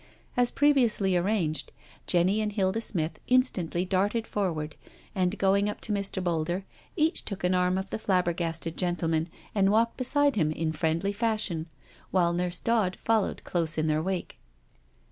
As previously arranged, Jenny and Hilda Smith instantly darted forward, and going up to Mr. Boulder, each took an arm of the flabbergasted gentleman and walked beside him in friendly fashion, while Nurse Dodds followed close in their wake.